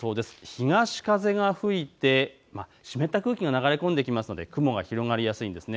東風が吹いて湿った空気が流れ込んできますので雲が広がります。